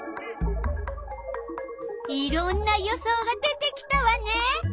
いろんな予想が出てきたわね。